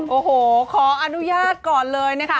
โอ้โหขออนุญาตก่อนเลยนะคะ